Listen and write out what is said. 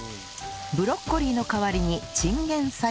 ブロッコリーの代わりにチンゲンサイを入れる